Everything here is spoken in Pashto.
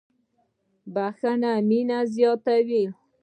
• بښل مینه زیاتوي.